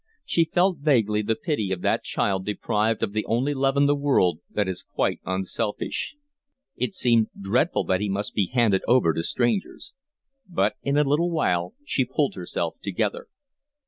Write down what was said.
She felt vaguely the pity of that child deprived of the only love in the world that is quite unselfish. It seemed dreadful that he must be handed over to strangers. But in a little while she pulled herself together.